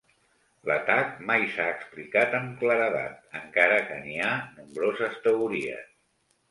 L'atac mai s'ha explicat amb claredat encara que n'hi ha nombroses teories.